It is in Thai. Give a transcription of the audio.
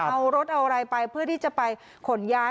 เอารถเอาอะไรไปเพื่อที่จะไปขนย้าย